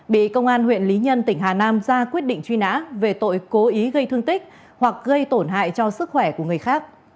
bị công an huyện lý nhân tỉnh hà nam ra quyết định truy nã về tội cố ý gây thương tích hoặc gây tổn hại cho sức khỏe của người khác